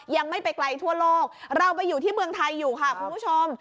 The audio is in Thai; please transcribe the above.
ยังไม่ไปไกลทั่วโลกเราไปอยู่ที่เมืองไทยอยู่ค่ะคุณผู้ชม